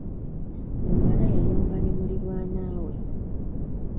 Lumala yayomba ne muliraanwawe.